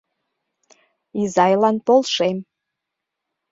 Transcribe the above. ИЗАЙЛАН ПОЛШЕМ